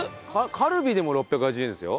カルビでも６８０円ですよ。